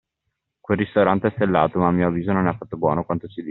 Quel ristorante è stellato, ma a mio avviso non è affatto buono quanto si dice.